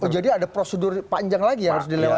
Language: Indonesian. jadi ada prosedur panjang lagi yang harus dilewati